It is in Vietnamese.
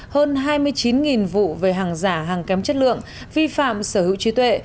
hơn hai mươi chín vụ về hàng giả hàng kém chất lượng vi phạm sở hữu trí tuệ